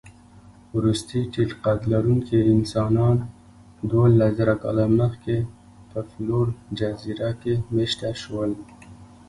وروستي ټيټقدلرونکي انسانان دوولسزره کاله مخکې په فلور جزیره کې مېشته شول.